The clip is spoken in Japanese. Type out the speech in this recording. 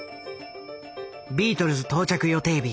ビートルズ到着予定日